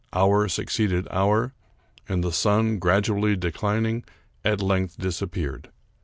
Hour suc ceeded hour, and the sun, gradually declining, at length disappeared.